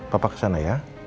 papa kesana ya